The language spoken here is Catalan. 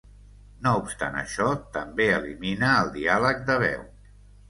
No obstant això, també elimina el diàleg de veu.